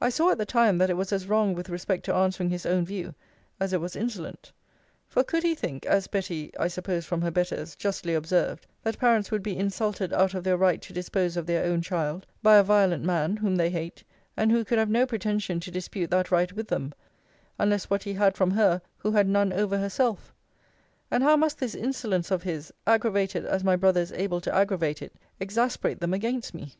I saw at the time that it was as wrong with respect to answering his own view, as it was insolent: For, could he think, as Betty (I suppose from her betters) justly observed, that parents would be insulted out of their right to dispose of their own child, by a violent man, whom they hate; and who could have no pretension to dispute that right with them, unless what he had from her who had none over herself? And how must this insolence of his, aggravated as my brother is able to aggravate it, exasperate them against me?